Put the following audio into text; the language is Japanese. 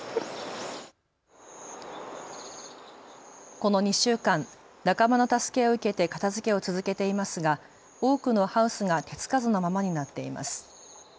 この２週間、仲間の助けを受けて片づけを続けていますが多くのハウスが手付かずのままになっています。